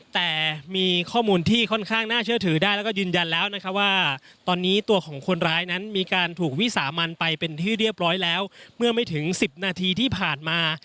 แต่มีข้อมูลที่ค่อนข้างน่าเชื่อถือได้แล้วก็ยืนยันแล้วนะคะว่าตอนนี้ตัวของคนร้ายนั้นมีการถูกวิสามันไปเป็นที่เรียบร้อยแล้วเมื่อไม่ถึง๑๐นาทีที่ผ่านมา